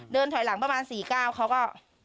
เดินถอยหลังประมาณสี่ก้าวเค้าก็